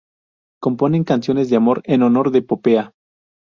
Componen canciones de amor en honor de Popea.